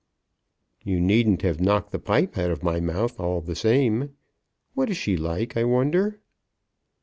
"You needn't have knocked the pipe out of my mouth all the same. What is she like, I wonder?"